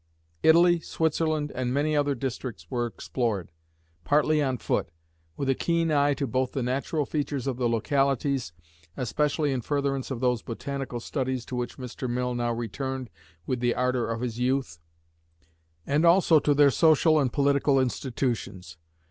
Italy, Switzerland, and many other districts, were explored, partly on foot, with a keen eye both to the natural features of the localities, especially in furtherance of those botanical studies to which Mr. Mill now returned with the ardor of his youth, and also to their social and political institutions.